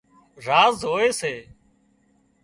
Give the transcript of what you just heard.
زاز هوئي سي